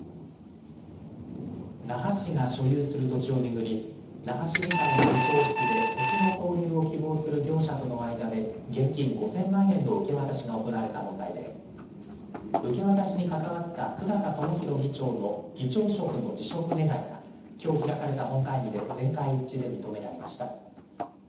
那覇市が所有する土地を巡り那覇市議会の議長室で土地の購入を希望する業者との間で現金５０００万円の受け渡しが行われた問題で受け渡しに関わった久高智弘議長の議長職の辞職願がきょう開かれた本会議で全会一致で認められました。